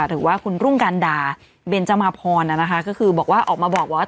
หรือว่าคุณรุ่งกันดาเบนจมาพรนะคะก็คือบอกว่าออกมาบอกว่า